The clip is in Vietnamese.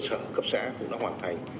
các cấp xã cũng đã hoàn thành